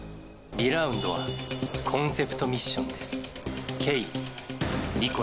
２ラウンドはコンセプトミッションです。